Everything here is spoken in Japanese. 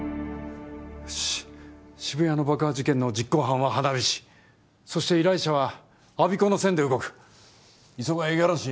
よし渋谷の爆破事件の実行犯は花火師そして依頼者は我孫子の線で動く磯ヶ谷五十嵐